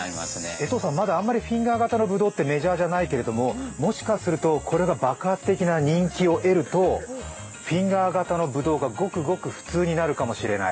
江藤さん、まだあまりフィンガー型のぶどうってないけどもしかすると、これが爆発的な人気が出るとフィンガー型のぶどうがごくごくふつうになるかもしれない。